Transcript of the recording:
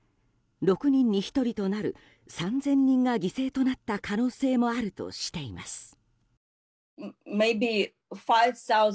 ６人に１人となる３０００人が犠牲となった可能性もあるとしています。